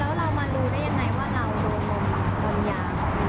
แล้วเรามารู้ได้ยังไงว่าเราโดนมมยาหรือเปล่า